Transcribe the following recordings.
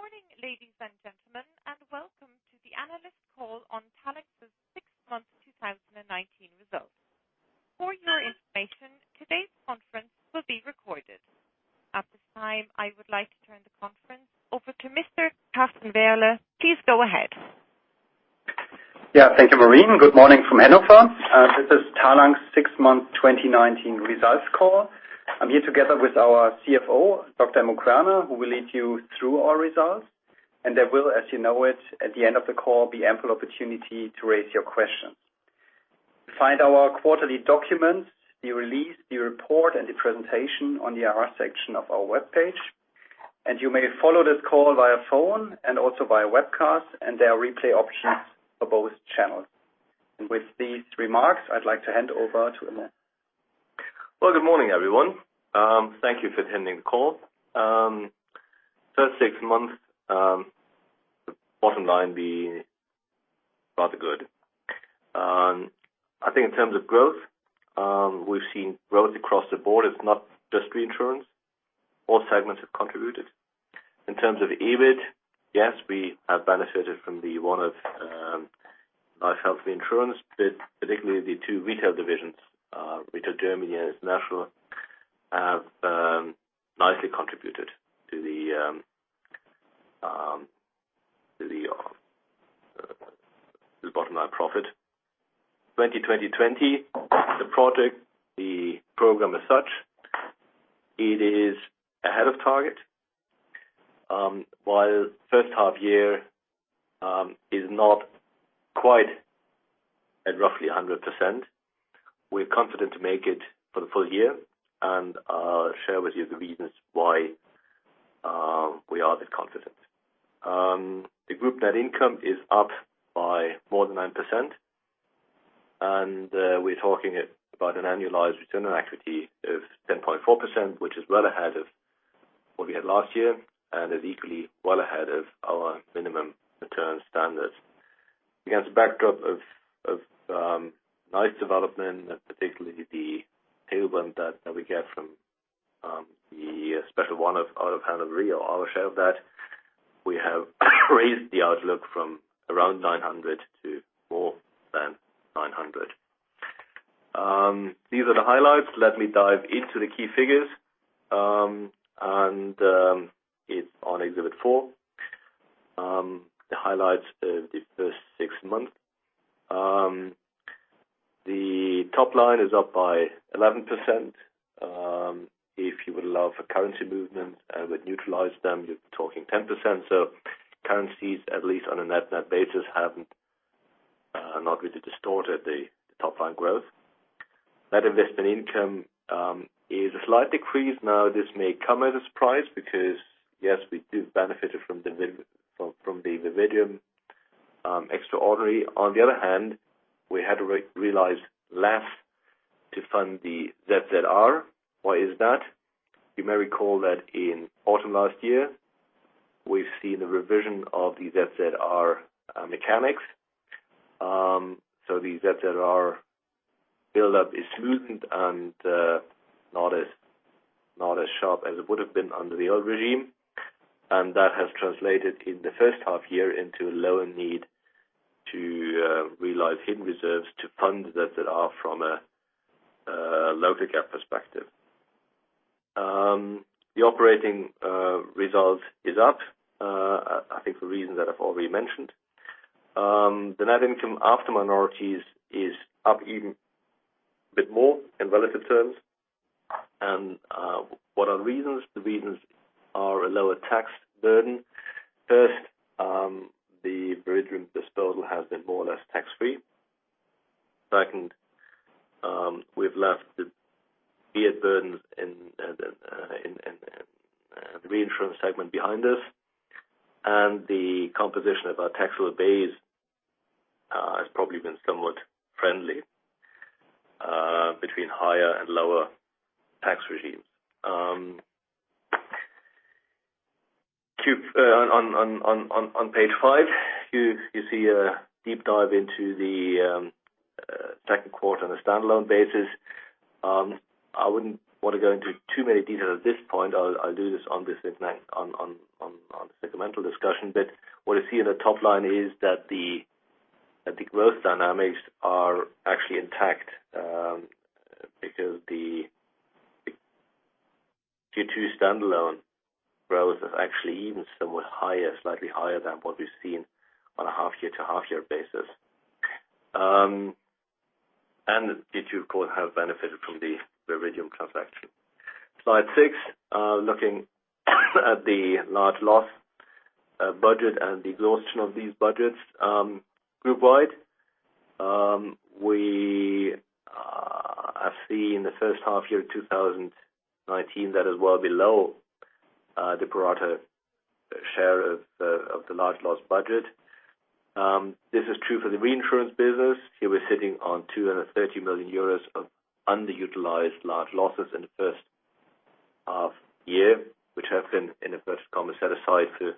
Good morning, ladies and gentlemen, welcome to the analyst call on Talanx's six-month 2019 results. For your information, today's conference will be recorded. At this time, I would like to turn the conference over to Mr. Carsten Werle. Please go ahead. Yeah, thank you, Maureen. Good morning from Hannover. This is Talanx six-month 2019 results call. I'm here together with our CFO, Dr. Immo Querner, who will lead you through our results. There will, as you know it, at the end of the call, be ample opportunity to raise your questions. Find our quarterly documents, the release, the report, and the presentation on the IR section of our webpage. You may follow this call via phone and also via webcast, and there are replay options for both channels. With these remarks, I'd like to hand over to Immo. Well, good morning, everyone. Thank you for attending the call. First six months, the bottom line will be rather good. I think in terms of growth, we've seen growth across the board. It's not just reinsurance. All segments have contributed. In terms of EBIT, yes, we have benefited from the one-off life health insurance bid, particularly the two retail divisions. Retail Germany and Retail International have nicely contributed to the bottom line profit. 20/20/20, the project, the program as such, it is ahead of target. While first half year is not quite at roughly 100%, we're confident to make it for the full year and I'll share with you the reasons why we are that confident. The group net income is up by more than 9%, and we're talking about an annualized return on equity of 10.4%, which is well ahead of what we had last year, and is equally well ahead of our minimum return standards. Against a backdrop of nice development, and particularly the tailwind that we get from the special one-off out of HanseMerkur, our share of that. We have raised the outlook from around 900 to more than 900. These are the highlights. Let me dive into the key figures. It's on exhibit four. The highlights of the first six months. The top line is up by 11%. If you would allow for currency movement and would neutralize them, you're talking 10%. Currencies, at least on a net-net basis, have not really distorted the top line growth. Net investment income is a slight decrease. This may come as a surprise because, yes, we do benefit from the Vivium extraordinary. On the other hand, we had to realize less to fund the ZZR. Why is that? You may recall that in autumn last year, we've seen a revision of the ZZR mechanics. The ZZR buildup is smoothened and not as sharp as it would have been under the old regime. That has translated in the first half year into a lower need to realize hidden reserves to fund ZZR from a logic gap perspective. The operating result is up. I think for reasons that I've already mentioned. The net income after minorities is up even a bit more in relative terms. What are the reasons? The reasons are a lower tax burden. First, the Vivium disposal has been more or less tax-free. Second, we've left the bad burdens in the reinsurance segment behind us. The composition of our taxable base has probably been somewhat friendly between higher and lower tax regimes. On page five, you see a deep dive into the second quarter on a standalone basis. I wouldn't want to go into too many details at this point. I'll do this on the segmental discussion. What you see on the top line is that the growth dynamics are actually intact, because the Q2 standalone growth is actually even somewhat higher, slightly higher than what we've seen on a half-year-to-half-year basis. Q2, of course, have benefited from the Vivium transaction. Slide six, looking at the large loss budget and the exhaustion of these budgets. Group wide, we are seeing the first half year 2019, that is well below the pro rata share of the large loss budget. This is true for the reinsurance business. Here we're sitting on 230 million euros of underutilized large losses in the first half year, which have been in inverted commas, set aside to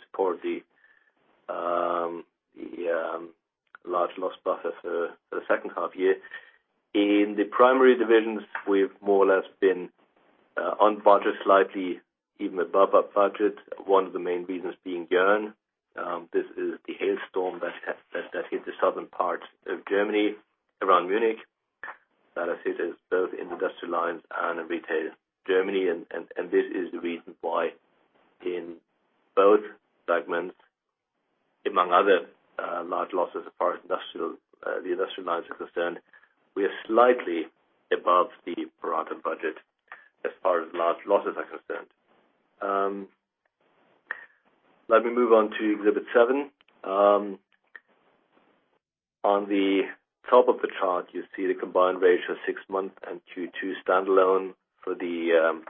support a large loss buffer for the second half year. In the primary divisions, we've more or less been on budget, slightly even above our budget, one of the main reasons being Jörn. This is the hail storm that hit the southern part of Germany around Munich, that has hit us both in Industrial Lines and in Retail Germany. This is the reason why in both segments, among other large losses as far as the Industrial Lines is concerned, we are slightly above the pro rata budget as far as large losses are concerned. Let me move on to exhibit seven. On the top of the chart, you see the combined ratio six months and Q2 standalone for the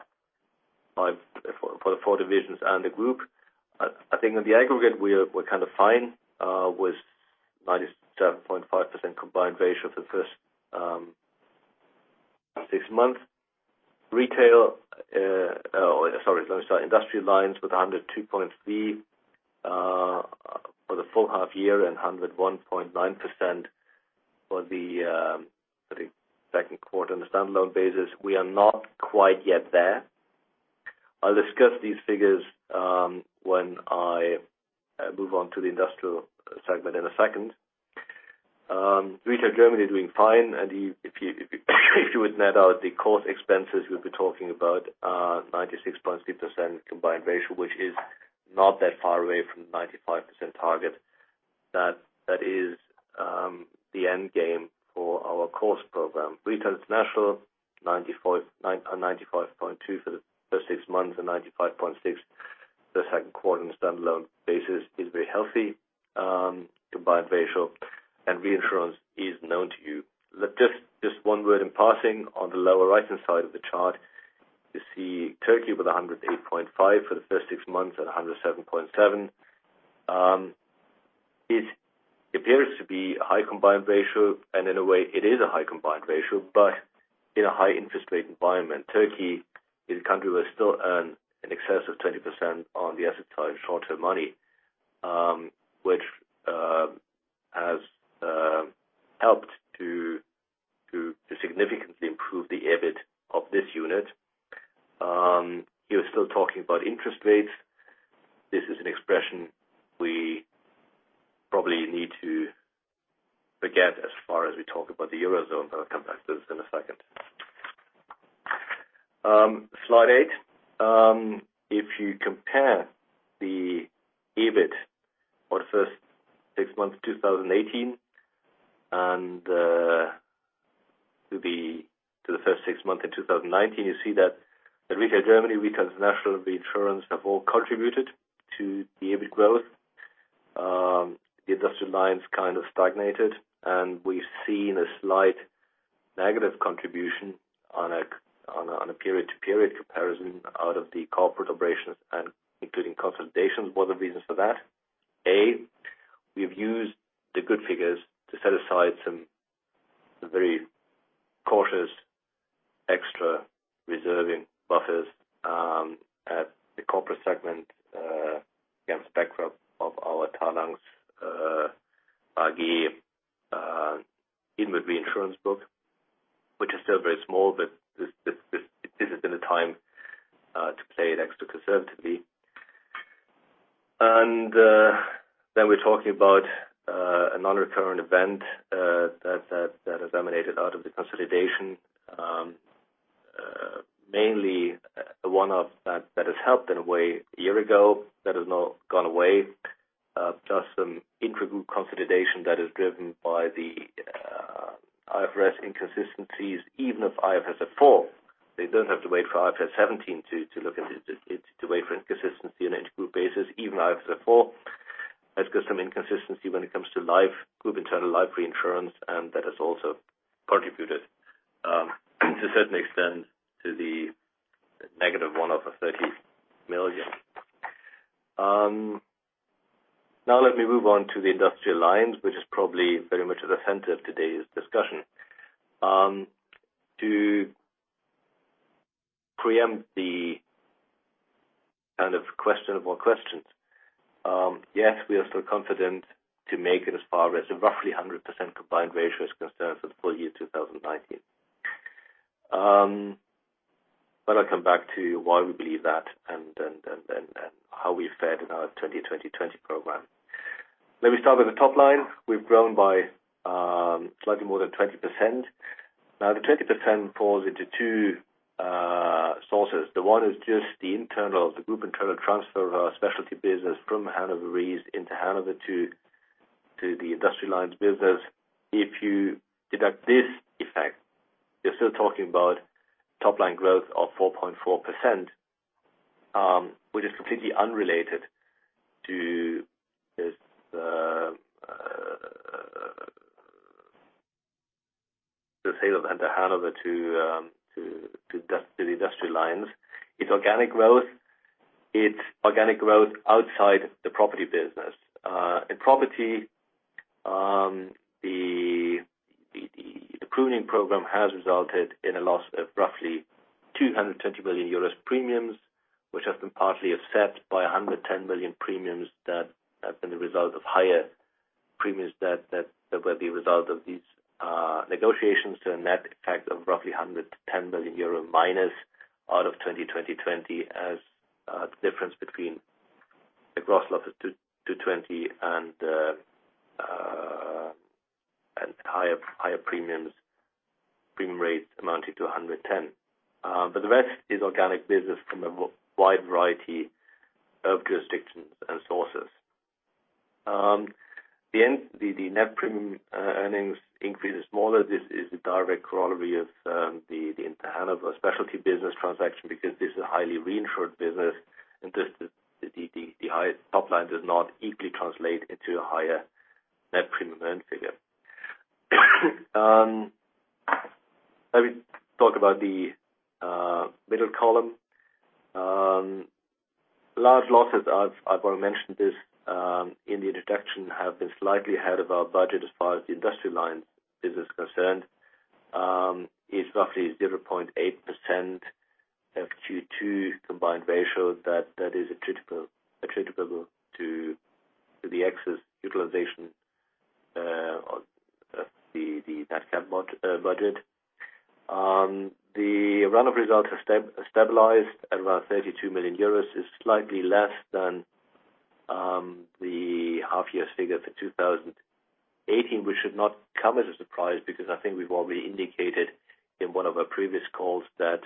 four divisions and the group. I think in the aggregate, we're kind of fine, with 97.5% combined ratio for the first six months. Industrial Lines with 102.3% for the full half year and 101.9% for the second quarter. On a standalone basis, we are not quite yet there. I'll discuss these figures when I move on to the Industrial segment in a second. Retail Germany are doing fine. If you would net out the cost expenses, we'd be talking about 96.3% combined ratio, which is not that far away from the 95% target. That is the end game for our cost program. Retail International, 95.2 for the first six months and 95.6 for the second quarter on a standalone basis, is very healthy combined ratio. Reinsurance is known to you. Just one word in passing, on the lower right-hand side of the chart, you see Turkey with 108.5 for the first six months and 107.7. It appears to be a high combined ratio. In a way it is a high combined ratio. In a high interest rate environment, Turkey is a country where we still earn in excess of 20% on the asset side of short-term money, which has helped to significantly improve the EBIT of this unit. You're still talking about interest rates. This is an expression we probably need to forget as far as we talk about the Eurozone. I'll come back to this in a second. Slide eight. If you compare the EBIT for the first six months of 2018 to the first six months in 2019, you see that Retail Germany, Retail International, and reinsurance have all contributed to the EBIT growth. The Industrial Lines kind of stagnated, we've seen a slight negative contribution on a period-to-period comparison out of the corporate operations and including consolidations. One of the reasons for that, A, we've used the good figures to set aside some very cautious extra reserving buffers at the corporate segment against the backdrop of our Talanx's buggy in the reinsurance book, which is still very small, this has been the time to play it extra conservatively. Then we're talking about a non-recurring event that has emanated out of the consolidation. Mainly, one-off that has helped in a way a year ago, that has now gone away. Just some intragroup consolidation that is driven by the IFRS inconsistencies, even of IFRS 4. They don't have to wait for IFRS 17 to wait for inconsistency on intragroup basis. Even IFRS 4 has got some inconsistency when it comes to group internal life reinsurance, and that has also contributed to a certain extent to the negative one-off of EUR 30 million. Let me move on to the Industrial Lines, which is probably very much at the center of today's discussion. To preempt the kind of questionable questions. Yes, we are still confident to make it as far as a roughly 100% combined ratio is concerned for the full year 2019. I'll come back to why we believe that and how we fared in our 2020 program. Let me start with the top line. We've grown by slightly more than 20%. The 20% falls into two sources. The one is just the group internal transfer of our specialty business from Hannover Re into Hannover to the Industrial Lines business. If you deduct this effect, you're still talking about top-line growth of 4.4%, which is completely unrelated to the sale of Hannover to the Industrial Lines. It's organic growth. It's organic growth outside the property business. In property, the pruning program has resulted in a loss of roughly 220 million euros premiums, which have been partly offset by 110 million premiums that have been the result of higher premiums that will be a result of these negotiations to a net effect of roughly 110 million euro minus out of 2020 as a difference between the gross loss of 220 and higher premiums being raised amounting to 110. The rest is organic business from a wide variety of jurisdictions and sources. The net premium earnings increase is smaller. This is the direct corollary of the Hannover Re business transaction because this is a highly reinsured business. The highest top line does not equally translate into a higher net premium earned figure. Let me talk about the middle column. Large losses, I've already mentioned this in the introduction, have been slightly ahead of our budget as far as the Industrial Lines business is concerned, is roughly 0.8% of Q2 combined ratio that is attributable to the excess utilization of the nat cat budget. The run-up results have stabilized at around 32 million euros, is slightly less than the half year figure for 2018, which should not come as a surprise because I think we've already indicated in one of our previous calls that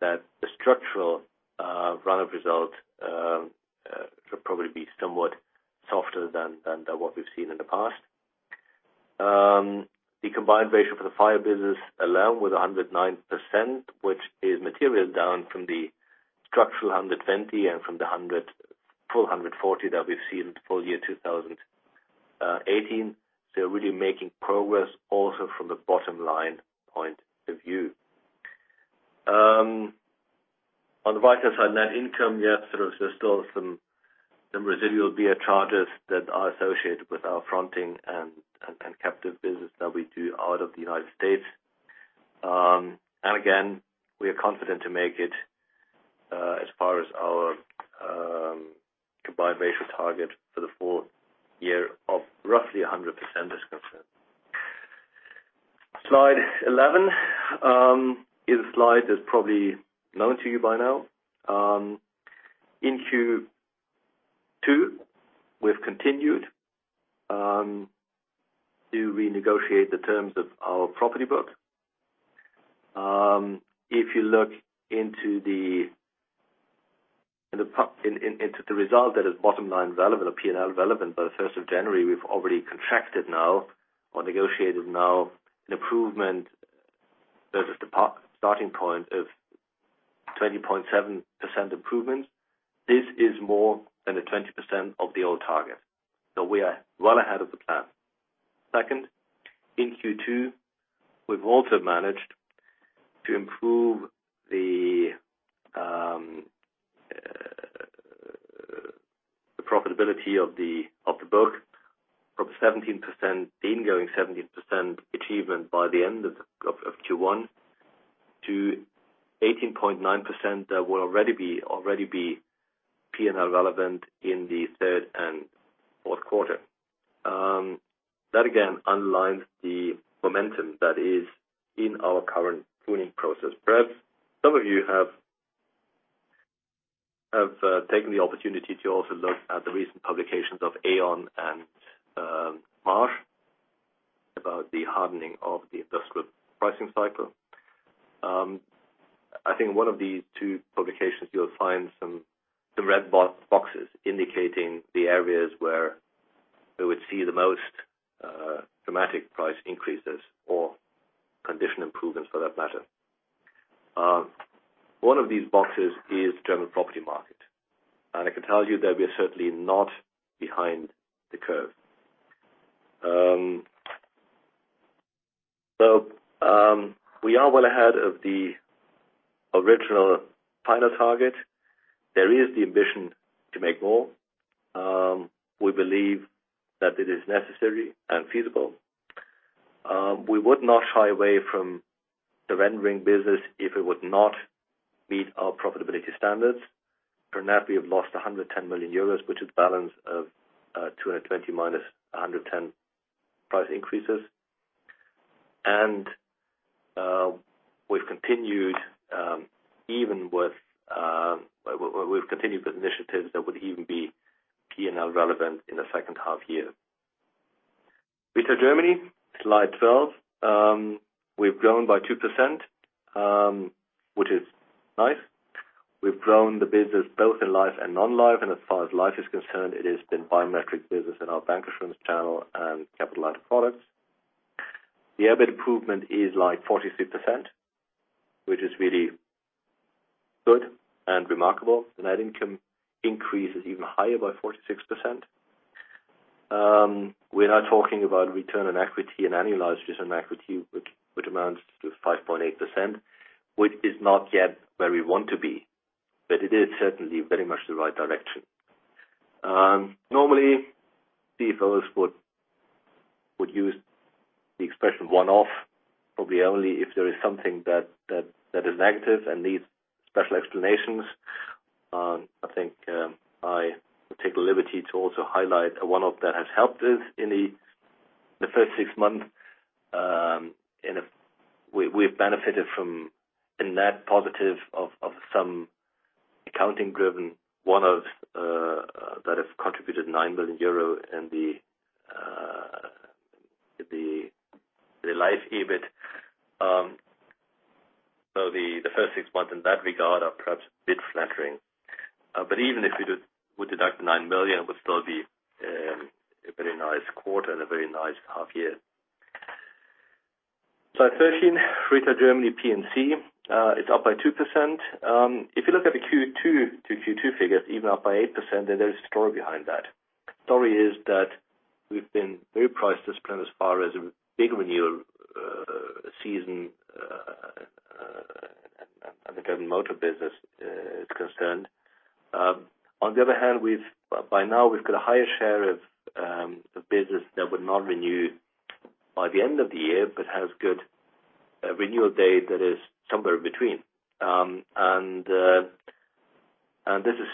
the structural run-up result should probably be somewhat softer than what we've seen in the past. The combined ratio for the fire business alone was 109%, which is material down from the structural 120% and from the 140% that we've seen in full year 2018. We're really making progress also from the bottom line point of view. On the right-hand side, net income, yes, there is still some residual charges that are associated with our fronting and captive business that we do out of the United States. Again, we are confident to make it, as far as our combined ratio target for the full year of roughly 100% is concerned. Slide 11. Here's a slide that's probably known to you by now. In Q2, we've continued to renegotiate the terms of our property book. If you look into the result that is bottom line relevant or P&L relevant, by the 1st of January, we've already contracted now or negotiated now an improvement versus the starting point of 20.7% improvement. This is more than the 20% of the old target. We are well ahead of the plan. Second, in Q2, we've also managed to improve the profitability of the book from the ingoing 17% achievement by the end of Q1 to 18.9% that will already be P&L relevant in the third and fourth quarter. That again underlines the momentum that is in our current pruning process. Perhaps some of you have taken the opportunity to also look at the recent publications of Aon and Marsh about the hardening of the industrial pricing cycle. I think in one of these two publications, you'll find some red boxes indicating the areas where we would see the most dramatic price increases or condition improvements for that matter. One of these boxes is German property market. I can tell you that we are certainly not behind the curve. We are well ahead of the original final target. There is the ambition to make more. We believe that it is necessary and feasible. We would not shy away from the reinsurance business if it would not meet our profitability standards. For now, we have lost 110 million euros, which is balance of 220 minus 110 price increases. We've continued with initiatives that would even be P&L relevant in the second half year. Retail Germany, slide 12. We've grown by 2%, which is nice. We've grown the business both in life and non-life, and as far as life is concerned, it has been biometric business in our bancassurance channel and capital products. The EBIT improvement is like 46%, which is really good and remarkable. Net income increase is even higher by 46%. We're now talking about return on equity and annualized return on equity, which amounts to 5.8%, which is not yet where we want to be, but it is certainly very much the right direction. Normally, CFOs would use the expression one-off probably only if there is something that is negative and needs special explanations. I think I will take the liberty to also highlight a one-off that has helped us in the first six months. We've benefited from a net positive of some accounting-driven one-offs that have contributed EUR 9 million in the Life EBIT. The first six months in that regard are perhaps a bit flattering. Even if you would deduct the 9 million, it would still be a very nice quarter and a very nice half year. Slide 13, Retail Germany P&C. It's up by 2%. If you look at the Q2 figures, even up by 8%, there is a story behind that. The story is that we've been very price disciplined as far as a big renewal season, as the German motor business is concerned. On the other hand, by now we've got a higher share of business that would not renew by the end of the year, but has good renewal date that is somewhere in between. This has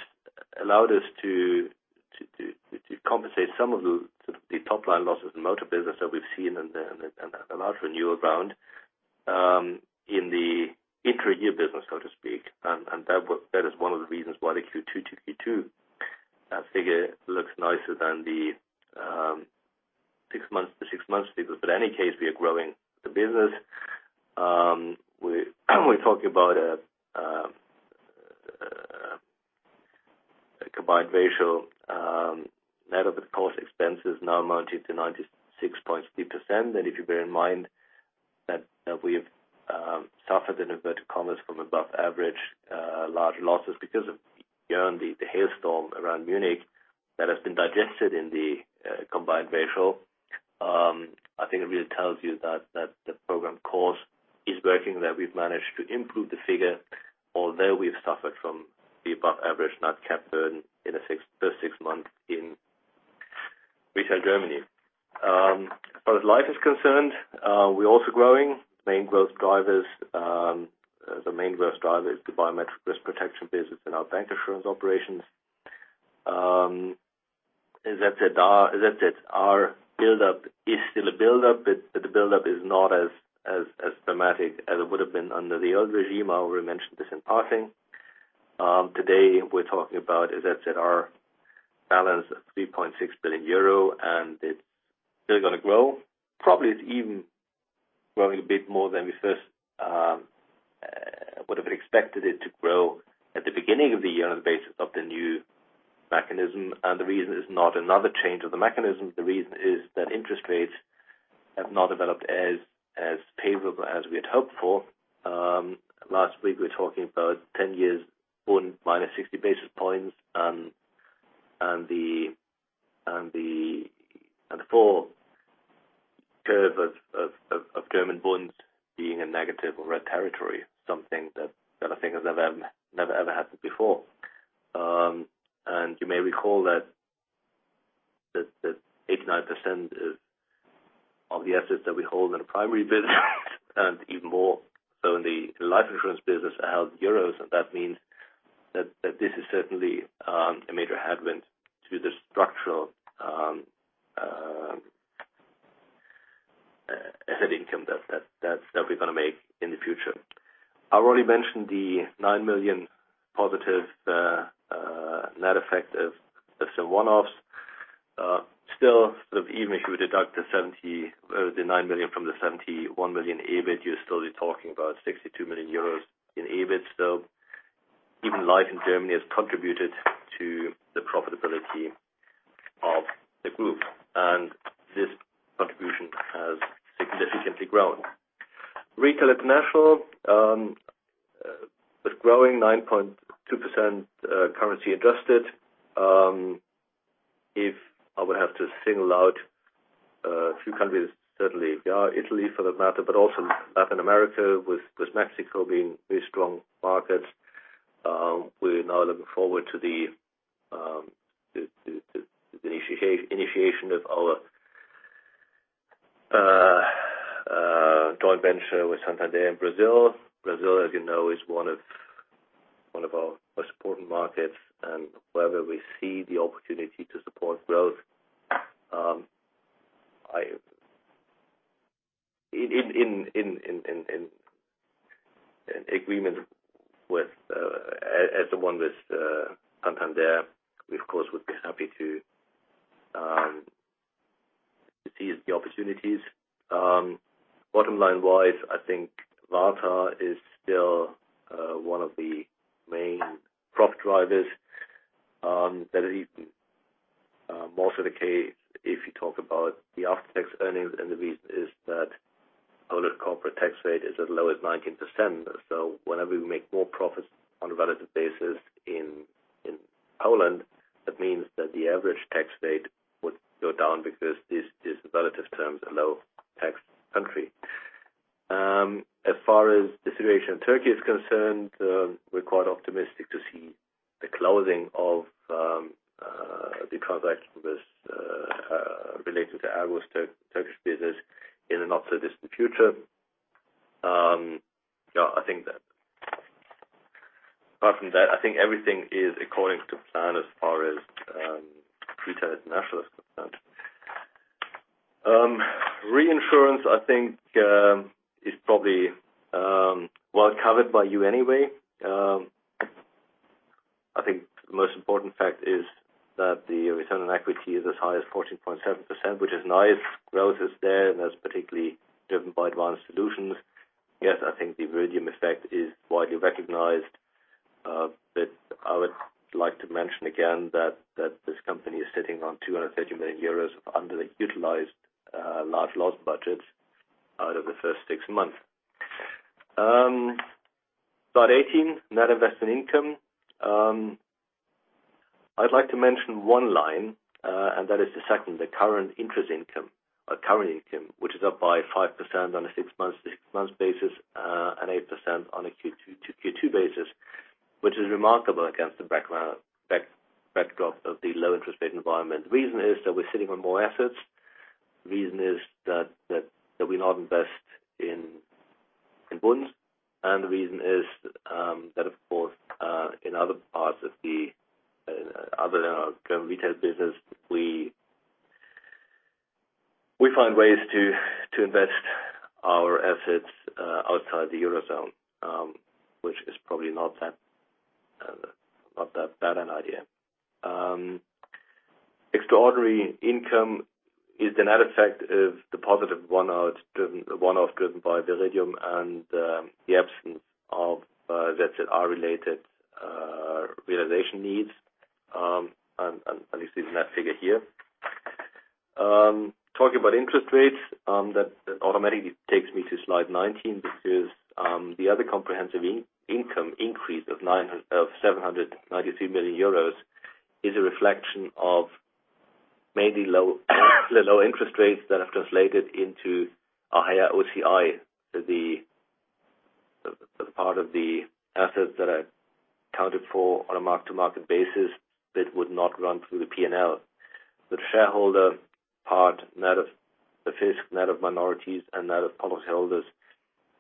allowed us to compensate some of the top-line losses in motor business that we've seen and a large renewal round in the intra-year business, so to speak. That is one of the reasons why the Q2 figure looks nicer than the six months to six months figures. In any case, we are growing the business. We're talking about a combined ratio net of course expenses now amounting to 96.3%. If you bear in mind that we have suffered, in inverted commas, from above average large losses because of the hailstorm around Munich that has been digested in the combined ratio. I think it really tells you that the program course is working, that we've managed to improve the figure, although we've suffered from the above-average nat cat burden in the first six months in Retail Germany. As far as Life is concerned, we're also growing. The main growth driver is the biometric risk protection business in our bancassurance operations. As I said, our buildup is still a buildup. The buildup is not as dramatic as it would have been under the old regime. I already mentioned this in passing. Today, we're talking about, as I said, our balance of 3.6 billion euro. It's still going to grow. Probably it's even growing a bit more than we first would have expected it to grow at the beginning of the year on the basis of the new mechanism. The reason is not another change of the mechanism. The reason is that interest rates have not developed as favorably as we had hoped for. Last week, we were talking about 10-year Bund minus 60 basis points. The forward curve of German Bunds being a negative or red territory, something that I think has never ever happened before. You may recall that 89% of the assets that we hold in the primary business and even more so in the life insurance business are held in euros. That means that this is certainly a major headwind to the structural ahead income that we're going to make in the future. I already mentioned the 9 million positive net effect of some one-offs. Still, even if you deduct the 9 million from the 71 million EBIT, you're still talking about 62 million euros in EBIT. Even Life in Germany has contributed to the profitability of the group, and this contribution has significantly grown. Retail International is growing 9.2% currency adjusted. If I would have to single out a few countries, certainly we are Italy for that matter, but also Latin America with Mexico being a very strong market. We're now looking forward to the initiation of our joint venture with Santander in Brazil. Brazil, as you know, is one of our most important markets, and wherever we see the opportunity to support growth. In agreement as the one with Santander, we of course, would be happy to seize the opportunities. Bottom line-wise, I think Warta is still one of the main profit drivers. That is even more so the case if you talk about the after-tax earnings, and the reason is that our corporate tax rate is as low as 19%. Whenever we make more profits on a relative basis in Poland, that means that the average tax rate would go down because this is relative terms a low tax country. As far as the situation in Turkey is concerned, we're quite optimistic to see the closing of the contract related to Ageas Turkish business in not so distant future. Apart from that, I think everything is according to plan as far as retail is concerned. Reinsurance, I think, is probably well covered by you anyway. I think the most important fact is that the return on equity is as high as 14.7%, which is nice. Growth is there, and that's particularly driven by advanced solutions. I think the Viridium effect is widely recognized. I would like to mention again that this company is sitting on 230 million euros under the utilized large loss budget out of the first six months. Slide 18, net investment income. I'd like to mention one line, and that is the second, the current interest income or current income, which is up by 5% on a six-month basis and 8% on a Q2 basis, which is remarkable against the backdrop of the low interest rate environment. The reason is that we're sitting on more assets. The reason is that we now invest in bonds. The reason is that, of course, in other parts of the German retail business, we find ways to invest our assets outside the Eurozone, which is probably not that bad an idea. Extraordinary income is the net effect of the positive one-off driven by Viridium and the absence of ZZR-related realization needs. You see the net figure here. Talking about interest rates, that automatically takes me to slide 19. This is the other comprehensive income increase of 793 million euros is a reflection of mainly the low interest rates that have translated into a higher OCI as part of the assets that are accounted for on a mark-to-market basis that would not run through the P&L. The shareholder part, net of the fisc, net of minorities, and net of policyholders,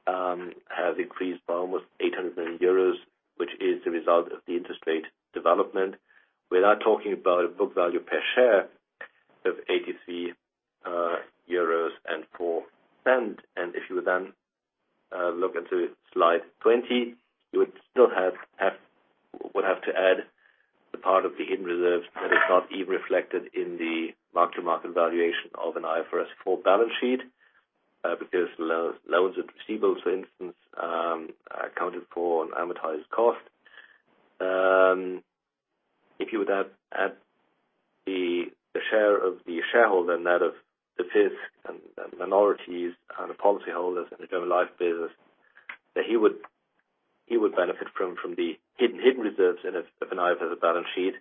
has increased by almost 800 million euros, which is the result of the interest rate development. We're now talking about a book value per share of 83.04 euros. If you then look into slide 20, you would have to add the part of the hidden reserves that are not even reflected in the mark-to-market valuation of an IFRS 4 balance sheet, because loans and receivables, for instance, are accounted for on amortized cost. If you would add the share of the shareholder, net of the fisc and minorities and the policyholders in the German Life business, that he would benefit from the hidden reserves in an IFRS balance sheet.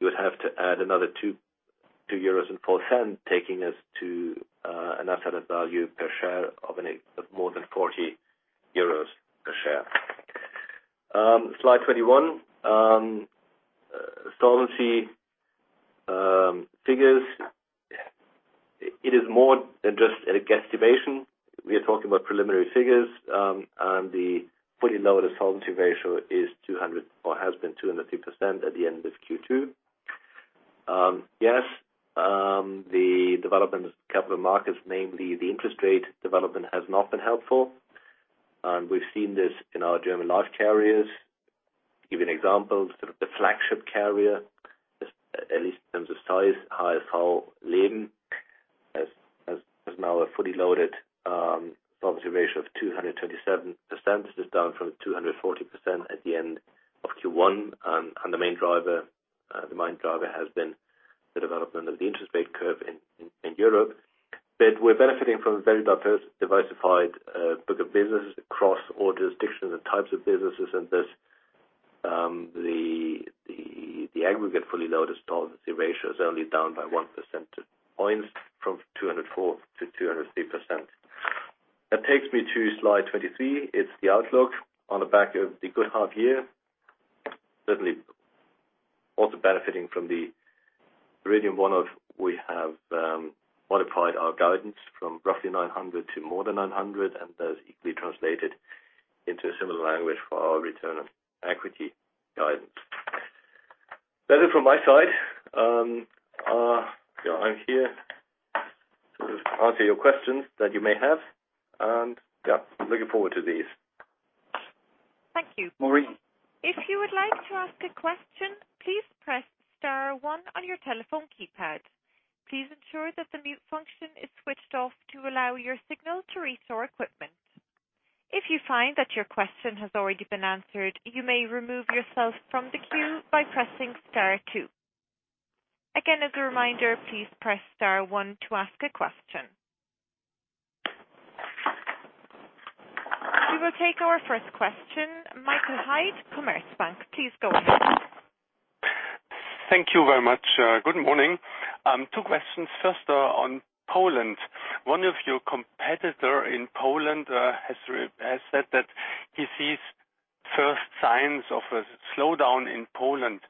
You would have to add another 2.04 euros, taking us to a net asset value per share of more than 40 euros per share. Slide 21. Solvency figures. It is more than just a guesstimation. We are talking about preliminary figures. The fully loaded solvency ratio is 200 or has been 203% at the end of Q2. Yes, the development of capital markets, namely the interest rate development, has not been helpful. We've seen this in our German Life carriers. Give you an example, the flagship carrier, at least in terms of size, HDI Leben, has now a fully loaded solvency ratio of 227%. This is down from 240% at the end of Q1. The main driver has been the development of the interest rate curve in Europe. We're benefiting from a very diversified book of business across all jurisdictions and types of businesses, and thus the aggregate fully loaded solvency ratio is only down by 1% points from 204% to 203%. That takes me to slide 23. It's the outlook on the back of the good half year. Certainly, also benefiting from the Viridium one-off. We have modified our guidance from roughly 900 to more than 900, and that is equally translated into a similar language for our return on equity guidance. That is it from my side. I'm here to answer your questions that you may have, and yeah, looking forward to these. Thank you. Maureen. If you would like to ask a question, please press star one on your telephone keypad. Please ensure that the mute function is switched off to allow your signal to reach our equipment. If you find that your question has already been answered, you may remove yourself from the queue by pressing star two. Again, as a reminder, please press star one to ask a question. We will take our first question. Michael Heidt, Commerzbank. Please go ahead. Thank you very much. Good morning. Two questions. First on Poland. One of your competitor in Poland has said that he sees first signs of a slowdown in Poland.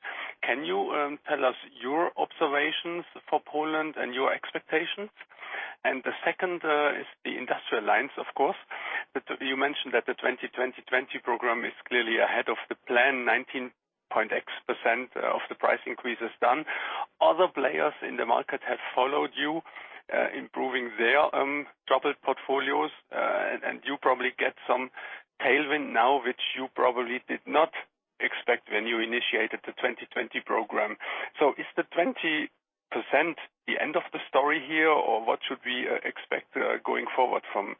Can you tell us your observations for Poland and your expectations? The second is the Industrial Lines, of course. You mentioned that the 2020 program is clearly ahead of the plan, 19.x% of the price increase is done. Other players in the market have followed you, improving their troubled portfolios, and you probably get some tailwind now, which you probably did not expect when you initiated the 2020 program. Is the 20% the end of the story here, or what should we expect going forward from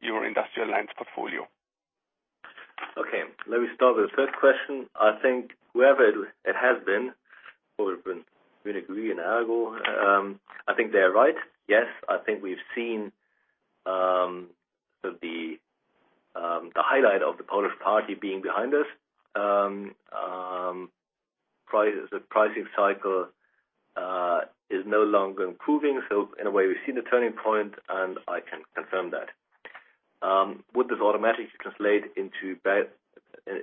your Industrial Lines portfolio? Okay. Let me start with the first question. I think whoever it has been, whether it's been ERGO. I think they are right. Yes. I think we've seen the highlight of the Polish party being behind us. The pricing cycle is no longer improving. In a way, we've seen a turning point, and I can confirm that. Would this automatically translate into bad,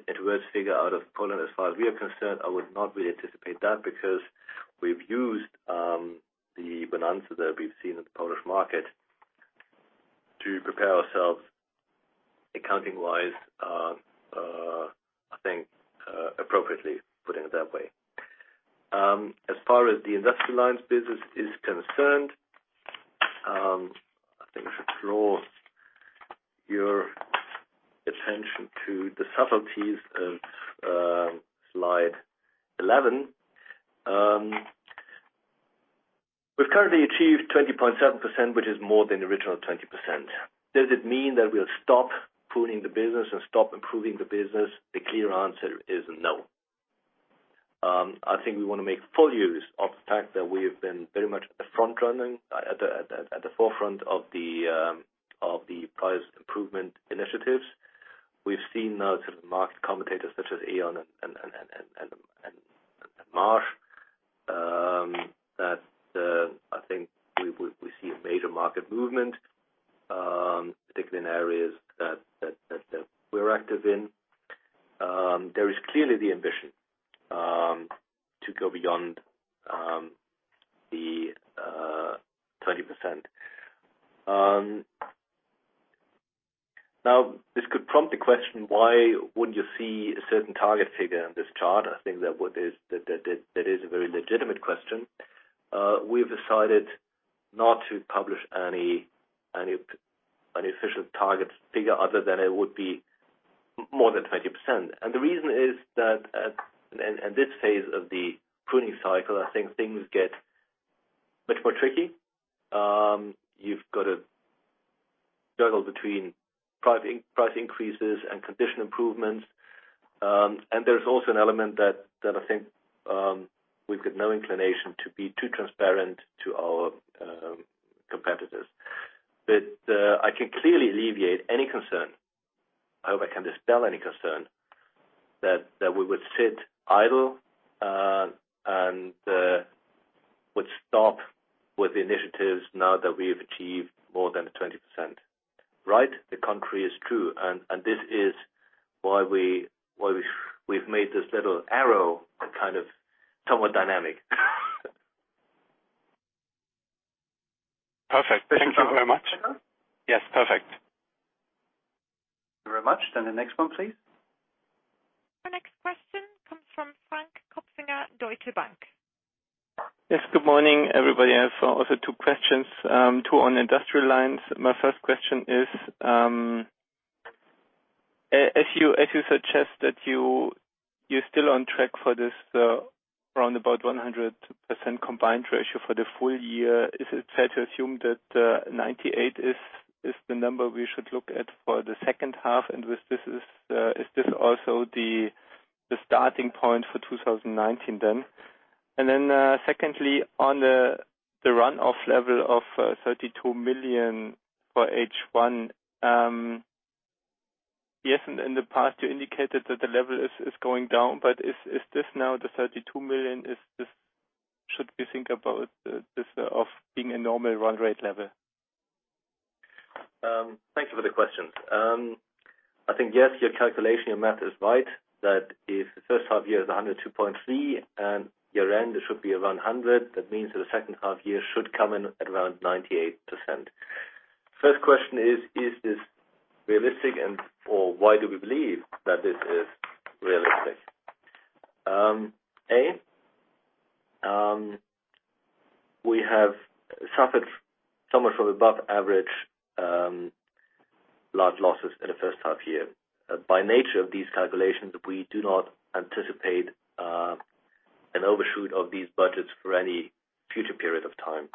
adverse figure out of Poland? As far as we are concerned, I would not really anticipate that because we've used the bonanza that we've seen in the Polish market to prepare ourselves accounting-wise, I think appropriately, putting it that way. As far as the Industrial Lines business is concerned, I think I should draw your attention to the subtleties of slide 11. We've currently achieved 20.7%, which is more than the original 20%. Does it mean that we'll stop pruning the business and stop improving the business? The clear answer is no. I think we want to make full use of the fact that we have been very much at the front running, at the forefront of the price improvement initiatives. We've seen now sort of market commentators such as Aon and Marsh that I think we see a major market movement, particularly in areas that we're active in. There is clearly the ambition to go beyond the 20%. Now, this could prompt a question, why wouldn't you see a certain target figure on this chart? I think that is a very legitimate question. We have decided not to publish any official target figure other than it would be more than 20%. The reason is that at this phase of the pruning cycle, I think things get much more tricky. You've got to juggle between price increases and condition improvements. There's also an element that I think we've got no inclination to be too transparent to our competitors. I can clearly alleviate any concern. I hope I can dispel any concern that we would sit idle and would stop with the initiatives now that we have achieved more than the 20%. Right? The contrary is true, and this is why we've made this little arrow a kind of somewhat dynamic. Perfect. Thank you very much. Hello? Yes, perfect. Thank you very much. The next one, please. Our next question comes from Frank Kopfinger, Deutsche Bank. Yes, good morning, everybody. I have also two questions, two on Industrial Lines. My first question is, as you suggest that you're still on track for this round about 100% combined ratio for the full year, is it fair to assume that 98 is the number we should look at for the second half? Is this also the starting point for 2019 then? Secondly, on the run-off level of 32 million for H1. Yes, in the past you indicated that the level is going down, but is this now the 32 million? Should we think about this of being a normal run rate level? Thank you for the questions. I think, yes, your calculation, your math is right, that if the first half year is 102.3% and year end it should be around 100%, that means that the second half year should come in at around 98%. First question is this realistic and/or why do we believe that this is realistic? A, we have suffered somewhat from above average large losses in the first half year. By nature of these calculations, we do not anticipate an overshoot of these budgets for any future period of time.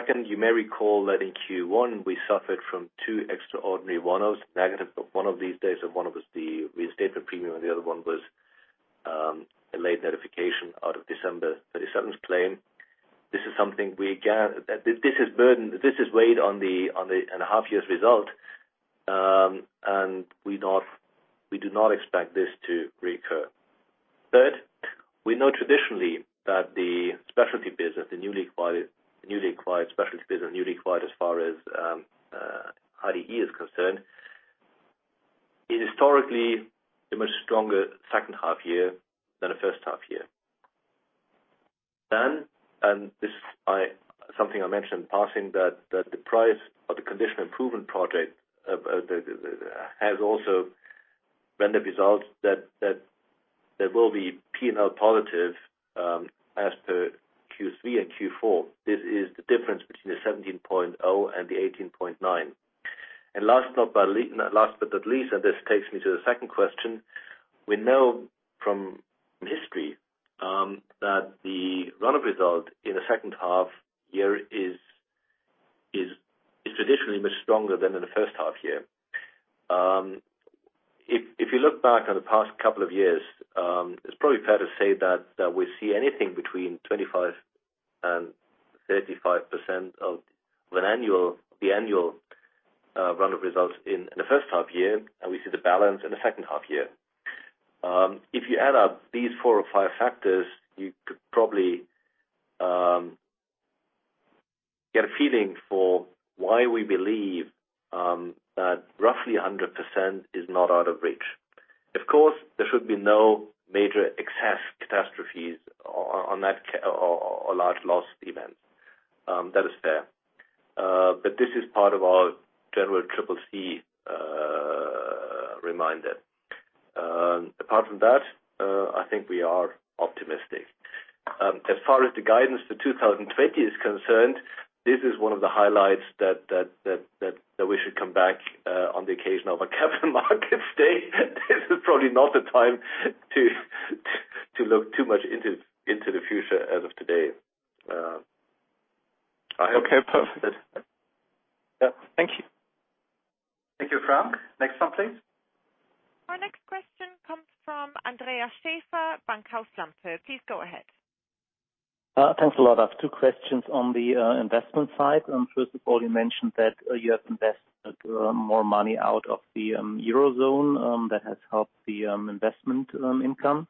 Second, you may recall that in Q1, we suffered from two extraordinary one-offs, negative one-off these days, and one of us the reinstatement premium, and the other one was a late notification out of December 31st claim something we gather. This is weighed on the half year's result, and we do not expect this to reoccur. Third, we know traditionally that the specialty business, the newly acquired specialty business, newly acquired as far as HDI is concerned, is historically a much stronger second half year than the first half year. This is something I mentioned in passing, that the price of the condition improvement project has also rendered results that there will be P&L positive, as per Q3 and Q4. This is the difference between the 17.0 and the 18.9. Last but not least, this takes me to the second question. We know from history, that the run of result in the second half year is traditionally much stronger than in the first half year. If you look back on the past couple of years, it is probably fair to say that, we see anything between 25% and 35% of the annual run of results in the first half year, and we see the balance in the second half year. If you add up these four or five factors, you could probably get a feeling for why we believe that roughly 100% is not out of reach. There should be no major catastrophes or large loss events. That is fair. This is part of our general triple C reminder. Apart from that, I think we are optimistic. As far as the guidance for 2020 is concerned, this is one of the highlights that we should come back on the occasion of a capital markets day. This is probably not the time to look too much into the future as of today. Okay, perfect. Yeah. Thank you. Thank you, Frank. Next one, please. Our next question comes from Andreas Schaefer, Bankhaus Lampe. Please go ahead. Thanks a lot. I have two questions on the investment side. First of all, you mentioned that you have invested more money out of the Eurozone that has helped the investment income.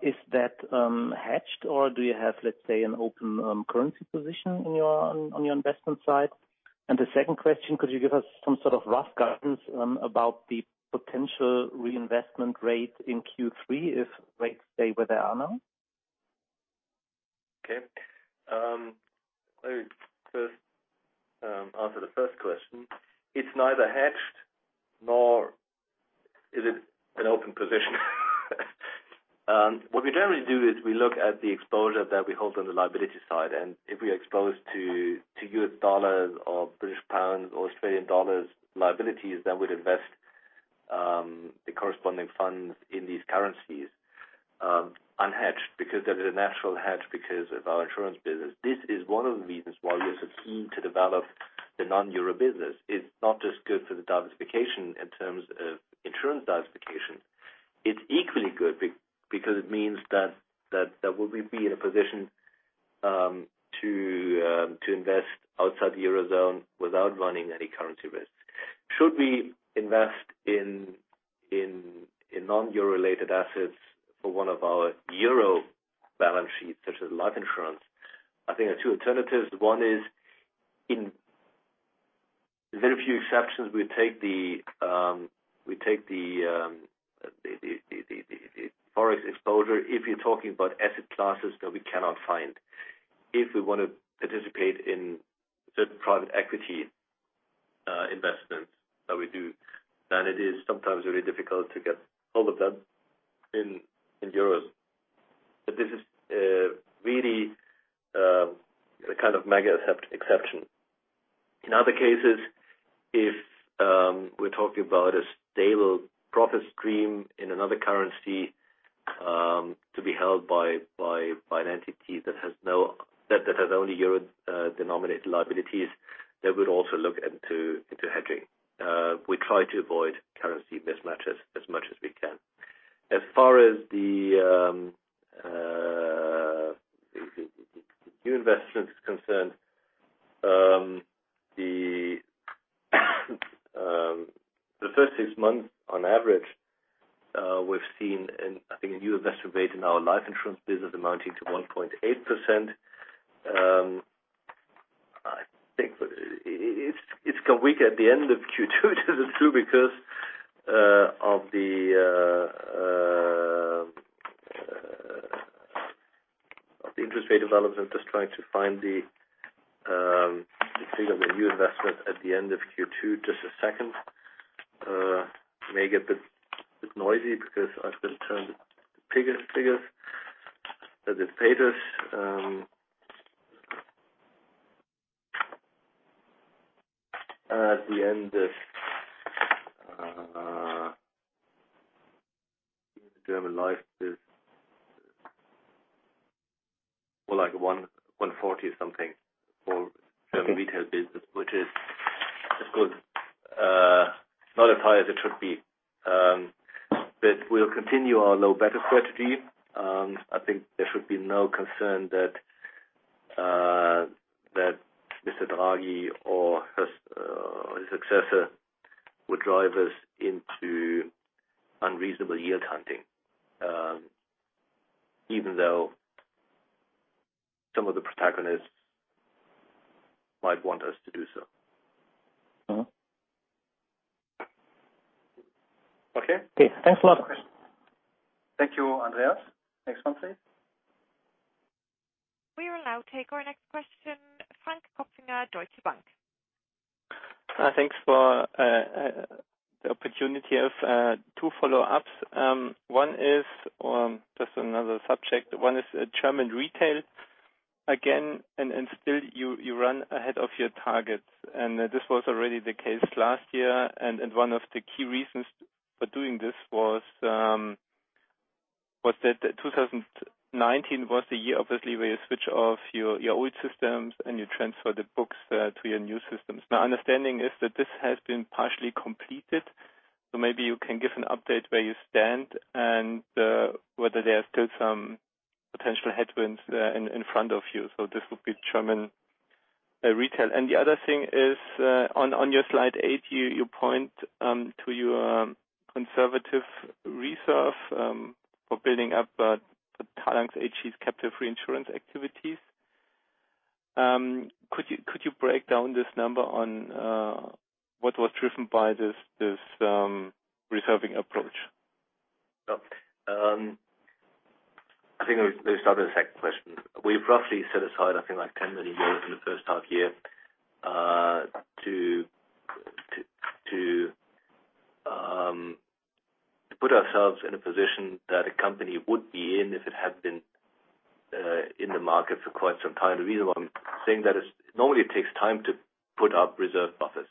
Is that hedged or do you have, let's say, an open currency position on your investment side? The second question, could you give us some sort of rough guidance about the potential reinvestment rate in Q3 if rates stay where they are now? Okay. To answer the first question, it's neither hedged nor is it an open position. What we generally do is we look at the exposure that we hold on the liability side, and if we expose to US dollars or British pounds or Australian dollars liabilities, that would invest the corresponding funds in these currencies unhedged. There is a natural hedge because of our insurance business. This is one of the reasons why we are so keen to develop the non-euro business. It's not just good for the diversification in terms of insurance diversification. It's equally good because it means that we'll be in a position to invest outside the Eurozone without running any currency risks. Should we invest in non-euro related assets for one of our euro balance sheets, such as life insurance, I think there are two alternatives. One is, in very few exceptions, we take the Forex exposure, if you are talking about asset classes that we cannot find. If we want to participate in certain private equity investments that we do, then it is sometimes very difficult to get all of them in euros. This is really the kind of mega exception. In other cases, if we are talking about a stable profit stream in another currency, to be held by an entity that has only euro-denominated liabilities, they would also look into hedging. We try to avoid currency mismatches as much as we can. As far as the new investment is concerned, the first six months on average, we have seen, I think, a new investment rate in our life insurance business amounting to 1.8%. I think it is weaker at the end of Q2 because of the interest rate development. Just trying to find the figure of a new investment at the end of Q2. Just a second. It may get a bit noisy because I've been turning figures. The depositors. At the end of German Life Business. More like a 140 something for German Retail Business, which is as good. Not as high as it should be. We'll continue our low beta strategy. I think there should be no concern that Mr. Draghi or his successor would drive us into unreasonable yield hunting, even though some of the protagonists might want us to do so. Okay? Okay. Thanks a lot. Thank you, Andreas. Next one, please. We will now take our next question, Frank Kopfinger, Deutsche Bank. Thanks for the opportunity. I have two follow-ups. Just another subject. One is German Retail. Still, you run ahead of your targets. This was already the case last year, and one of the key reasons for doing this was that 2019 was the year, obviously, where you switch off your old systems and you transfer the books to your new systems. My understanding is that this has been partially completed. Maybe you can give an update where you stand and whether there are still some potential headwinds in front of you. This would be German Retail. The other thing is, on your slide eight, you point to your conservative reserve for building up the Talanx AG's captive reinsurance activities. Could you break down this number on what was driven by this reserving approach? I think let me start with the second question. We've roughly set aside, I think, like 10 million euros in the first half year to put ourselves in a position that a company would be in if it had been in the market for quite some time. The reason why I'm saying that is normally it takes time to put up reserve buffers.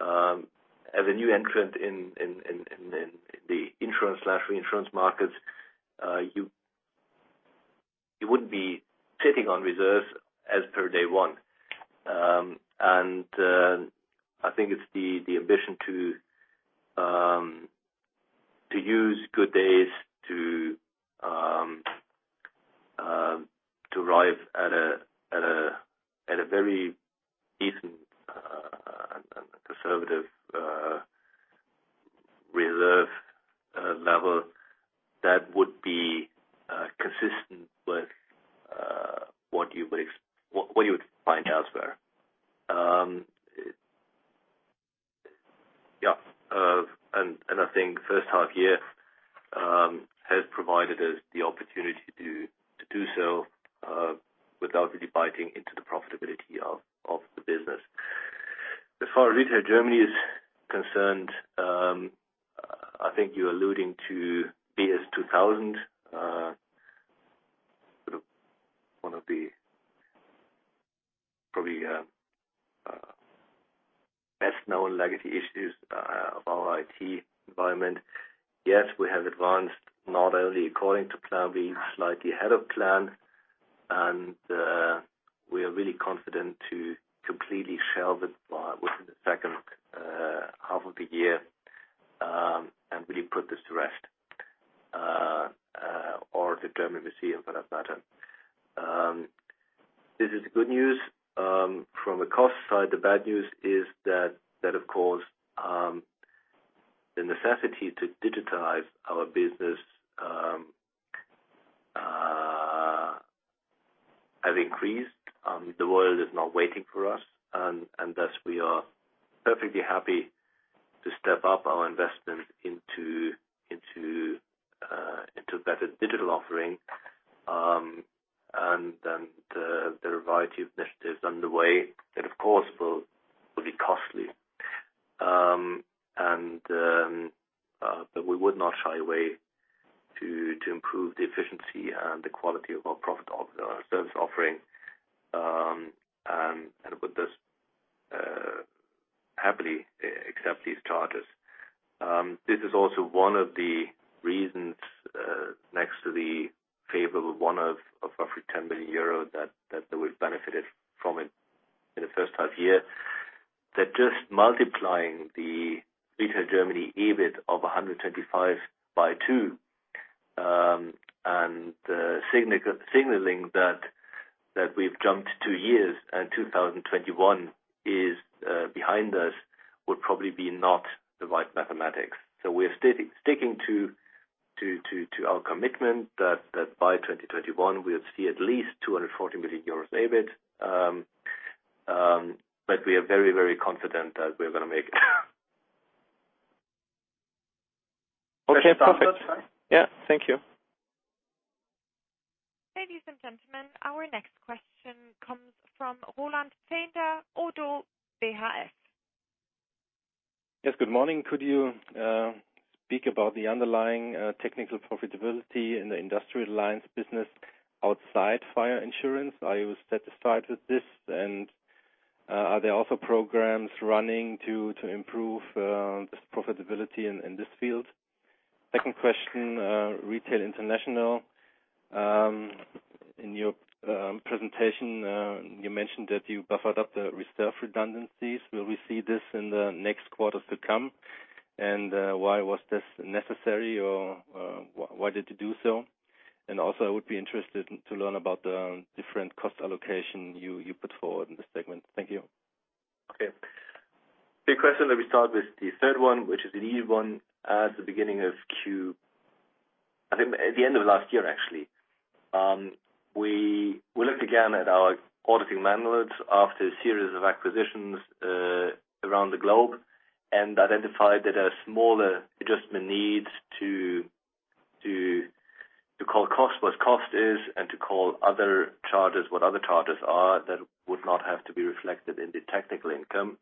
As a new entrant in the insurance/reinsurance markets, you wouldn't be sitting on reserves as per day one. I think it's the ambition to use good days to arrive at a very decent, conservative reserve level that would be consistent with what you would find elsewhere. Yeah. I think first half year has provided us the opportunity to do so without really biting into the profitability of the business. As far as Retail Germany is concerned, I think you're alluding to BS2000. Sort of one of the probably best-known legacy issues of our IT environment. Yes, we have advanced not only according to plan, we are slightly ahead of plan, and we are really confident to completely shelve it within the second half of the year, and really put this to rest. The German museum for that matter. This is good news from a cost side. The bad news is that, of course, the necessity to digitize our business have increased. The world is not waiting for us, and thus we are perfectly happy to step up our investments into better digital offering. There are a variety of initiatives underway that, of course, will be costly. We would not shy away to improve the efficiency and the quality of our service offering, and with this happily accept these charges. This is also one of the reasons, next to the favorable one of roughly 10 million euro that we've benefited from it in the first half year. Just multiplying the Retail Germany EBIT of 125 by two, and signaling that we've jumped two years and 2021 is behind us, would probably be not the right mathematics. We're sticking to our commitment that by 2021, we'll see at least 240 million euros EBIT. We are very confident that we're going to make it. Okay, perfect. Yeah. Thank you. Ladies and gentlemen, our next question comes from Roland Pfänder, ODDO BHF. Yes, good morning. Could you speak about the underlying technical profitability in the Industrial Lines business outside fire insurance? Are you satisfied with this? Are there also programs running to improve this profitability in this field? Second question, Retail International. In your presentation, you mentioned that you buffered up the reserve redundancies. Will we see this in the next quarters to come? Why was this necessary or why did you do so? Also, I would be interested to learn about the different cost allocation you put forward in this segment. Thank you. Okay. The question, let me start with the third one, which is the easy one. At the end of last year, actually. We looked again at our auditing manuals after a series of acquisitions around the globe and identified that a smaller adjustment needs to call cost what cost is and to call other charges what other charges are that would not have to be reflected in the technical income.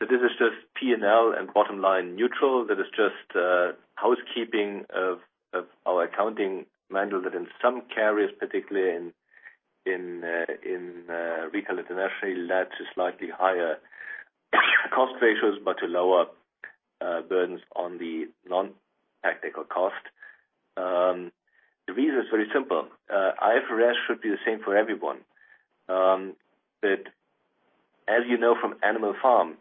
This is just P&L and bottom line neutral. That is just housekeeping of our accounting manual that in some carriers, particularly in Retail International, led to slightly higher cost ratios, but to lower burdens on the non-technical cost. The reason is very simple. IFRS should be the same for everyone. As you know from Animal Farm,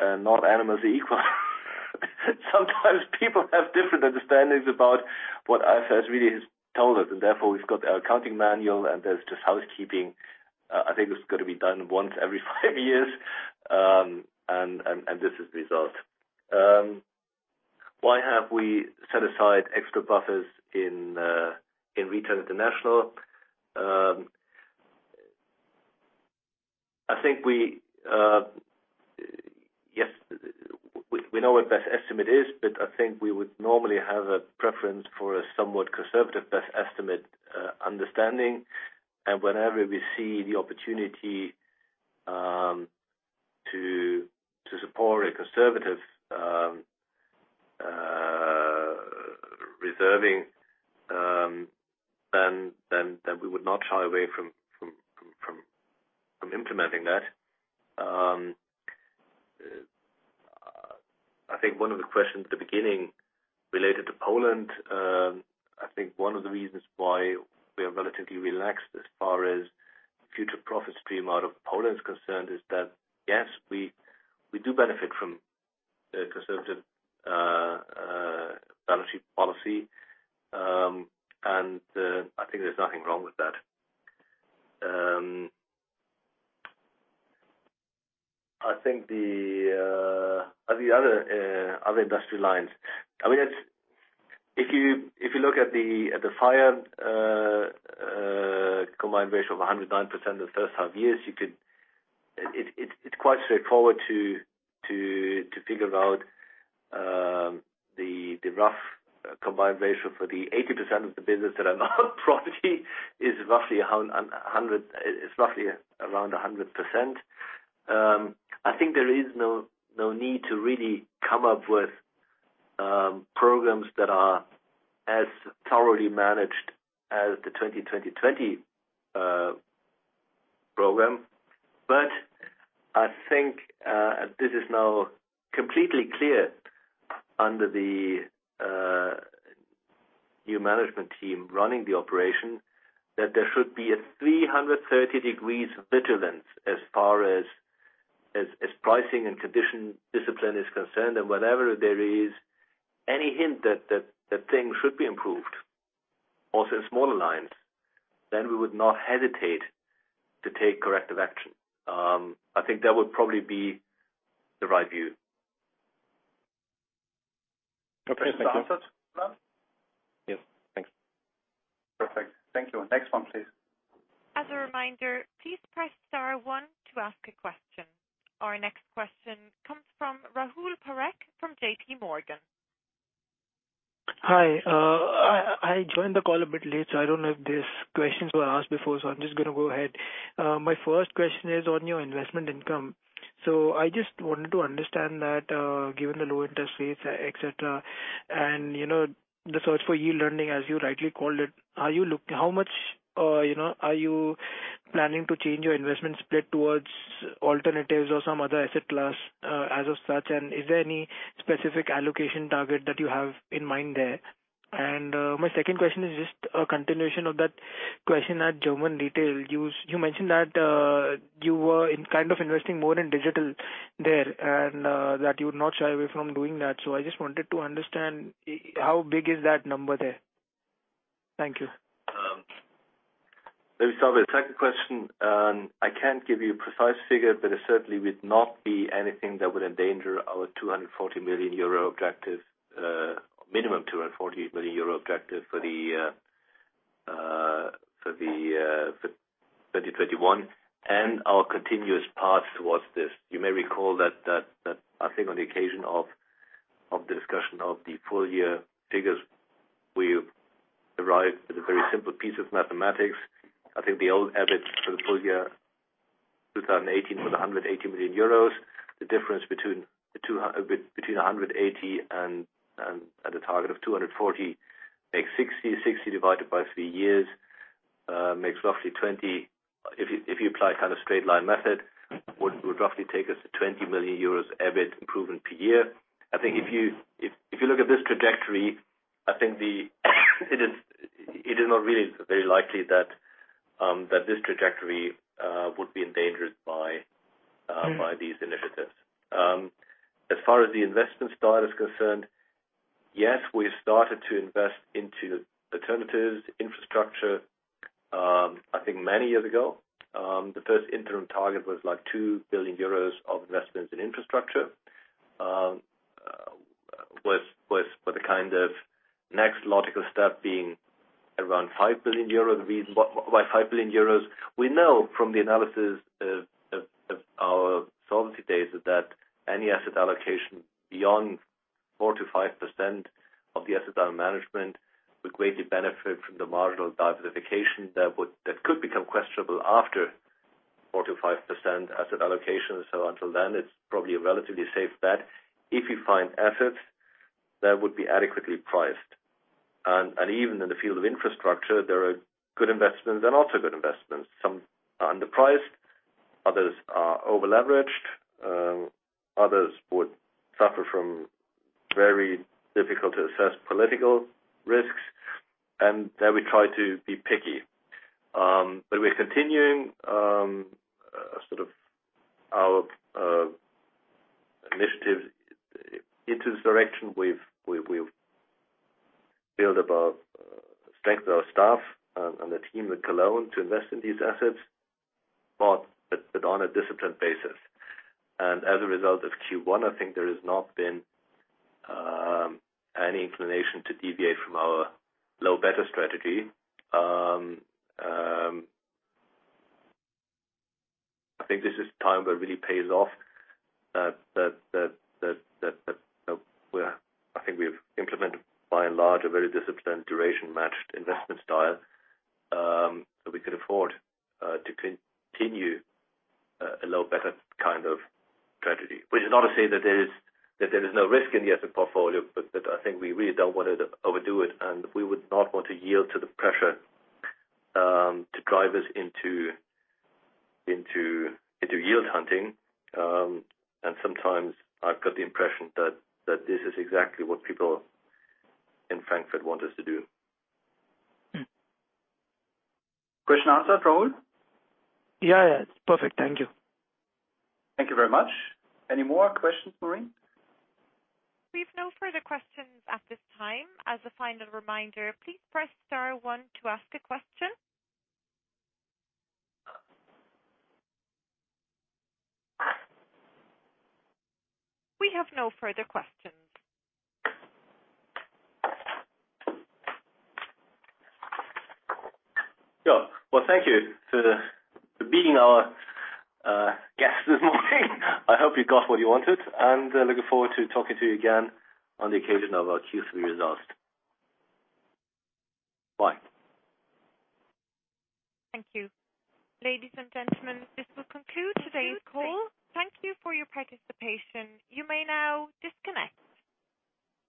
not all animals are equal. Sometimes people have different understandings about what IFRS really has told us. Therefore, we've got our accounting manual. There's just housekeeping. I think it's got to be done once every five years. This is the result. Why have we set aside extra buffers in Retail International? I think, yes, we know what best estimate is. I think we would normally have a preference for a somewhat conservative best estimate understanding. Whenever we see the opportunity to support a conservative reserving, we would not shy away from implementing that. I think one of the questions at the beginning related to Poland. I think one of the reasons why we are relatively relaxed as far as future profit stream out of Poland is concerned is that, yes, we do benefit from a conservative balancing policy. I think there's nothing wrong with that. I think the other Industrial Lines. If you look at the fire combined ratio of 109% in the first half year, it's quite straightforward to figure out the rough combined ratio for the 80% of the business that I'm not proxy, is roughly around 100%. I think there is no need to really come up with programs that are as thoroughly managed as the 2020 program. I think this is now completely clear under the new management team running the operation, that there should be a 330 degrees vigilance as far as pricing and condition discipline is concerned. Wherever there is any hint that things should be improved, also in smaller lines, we would not hesitate to take corrective action. I think that would probably be the right view. Okay. Thank you. Does that answer it, Roland? Yes. Thanks. Perfect. Thank you. Next one, please. As a reminder, please press star one to ask a question. Our next question comes from Rahul Parekh from JP Morgan. Hi. I joined the call a bit late, so I don't know if these questions were asked before. I'm just going to go ahead. My first question is on your investment income. I just wanted to understand that given the low interest rates, et cetera, and the search for yield earning, as you rightly called it, how much are you planning to change your investment split towards alternatives or some other asset class as of such? Is there any specific allocation target that you have in mind there? My second question is just a continuation of that question at Retail Germany. You mentioned that you were kind of investing more in digital there, and that you would not shy away from doing that. I just wanted to understand how big is that number there. Thank you. Let me start with the second question. I can't give you a precise figure, but it certainly would not be anything that would endanger our minimum €240 million objective for 2021 and our continuous path towards this. You may recall that, I think on the occasion of the discussion of the full-year figures, we arrived at a very simple piece of mathematics. I think the old EBIT for the full year 2018 was €180 million. The difference between 180 and at a target of 240 makes 60. 60 divided by three years makes roughly 20. If you apply straight line method, would roughly take us to €20 million EBIT improvement per year. I think if you look at this trajectory, I think it is not really very likely that this trajectory would be endangered by these initiatives. As far as the investment style is concerned, yes, we started to invest into alternatives, infrastructure, I think many years ago. The first interim target was 2 billion euros of investments in infrastructure with the kind of next logical step being around 5 billion euros. The reason why 5 billion euros, we know from the analysis of our solvency data that any asset allocation beyond 4%-5% of the assets under management would greatly benefit from the marginal diversification that could become questionable after 4%-5% asset allocation. Until then, it's probably a relatively safe bet if you find assets that would be adequately priced. Even in the field of infrastructure, there are good investments and also good investments. Some are underpriced, others are over-leveraged, others would suffer from very difficult to assess political risks. There we try to be picky. We're continuing sort of our initiatives into this direction. We've built strengthened our staff and the team in Cologne to invest in these assets, but on a disciplined basis. As a result of Q1, I think there has not been any inclination to deviate from our low beta strategy. I think this is time where it really pays off that I think we've implemented by and large a very disciplined duration matched investment style, so we could afford to continue a low beta kind of strategy. Which is not to say that there is no risk in the asset portfolio, but that I think we really don't want to overdo it, and we would not want to yield to the pressure to drive us into yield hunting. Sometimes I've got the impression that this is exactly what people in Frankfurt want us to do. Question answered, Rahul? Yeah. It's perfect. Thank you. Thank you very much. Any more questions, Maureen? We've no further questions at this time. As a final reminder, please press star one to ask a question. We have no further questions. Yeah. Well, thank you for being our guests this morning. I hope you got what you wanted, and looking forward to talking to you again on the occasion of our Q3 results. Bye. Thank you. Ladies and gentlemen, this will conclude today's call. Thank you for your participation. You may now disconnect.